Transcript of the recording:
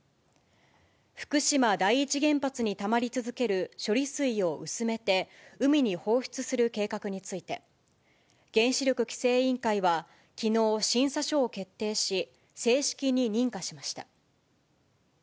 福島第一原発にたまり続ける処理水を薄めて、海に放出する計画について、原子力規制委員会はきのう、審査書を決定し、正式に認可しました。